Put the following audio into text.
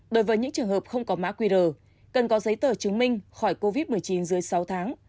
đối với những trường hợp không có mã qr cần có giấy tờ chứng minh khỏi covid một mươi chín dưới sáu tháng